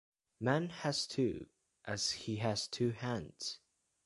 Man has two - as he has two hands.